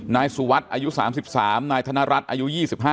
นายสุวัสดิ์อายุ๓๓นายธนรัฐอายุ๒๕